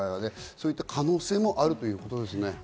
そういった可能性もあるということですね。